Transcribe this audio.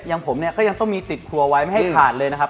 อย่างผมเนี่ยก็ยังต้องมีติดครัวไว้ไม่ให้ขาดเลยนะครับ